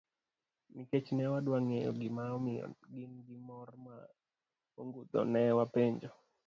Nikech ne wadwa ng'eyo gima omiyo gin gi mor ma ogundho, ne wapenjo.